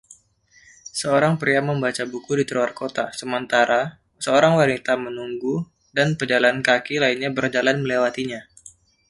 Seorang pria membaca buku di trotoar kota sementara seorang wanita menunggu dan pejalan kaki lainnya berjalan melewatinya